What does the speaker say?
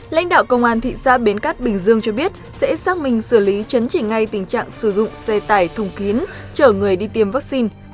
lãnh đạo công an thị xã bến cát bình dương cho biết sẽ xác minh xử lý chấn chỉnh ngay tình trạng sử dụng xe tải thùng kín chở người đi tiêm vaccine